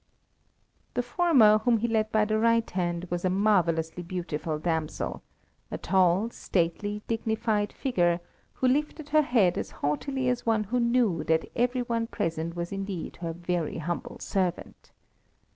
The former, whom he led by the right hand, was a marvellously beautiful damsel; a tall, stately, dignified figure, who lifted her head as haughtily as one who knew that every one present was indeed her very humble servant.